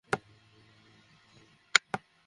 তখন আনন্দে ইকরামার চেহারা আলোকময় হয়ে উঠল।